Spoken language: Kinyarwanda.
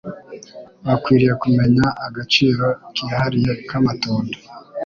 bakwiriye kumenya agaciro kihariye k’amatunda